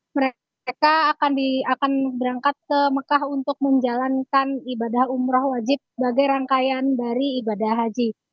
mereka akan berangkat ke mekah untuk menjalankan ibadah umroh wajib bagai rangkaian dari ibadah haji